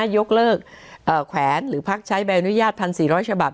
ยกเลิกแขวนหรือพักใช้ใบอนุญาต๑๔๐๐ฉบับ